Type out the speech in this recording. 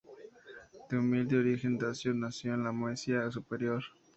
De humilde origen dacio, nació en la Moesia superior.